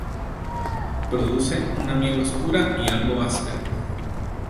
Producen una miel oscura y algo áspera.